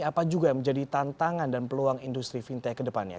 apa juga yang menjadi tantangan dan peluang industri fintech ke depannya